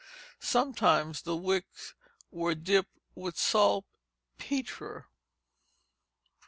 Sometimes the wicks were dipped into saltpetre.